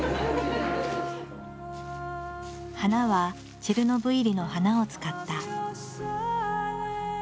花はチェルノブイリの花を使った。